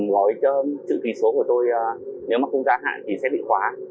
gói cho chữ ký số của tôi nếu không ra hạn thì sẽ bị khóa